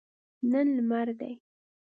نن لمر دی